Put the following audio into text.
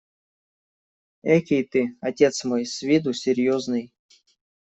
Экий ты, отец мой, с виду серьезный!